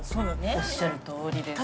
おっしゃるとおりです。